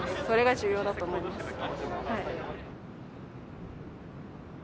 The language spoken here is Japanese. それが重要だと思います。